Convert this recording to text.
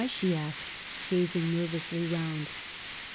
she asked, gazing nervously round.